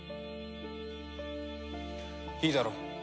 いいだろう。